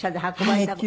はい。